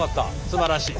すばらしい。